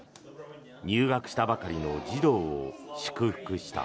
入学したばかりの児童を祝福した。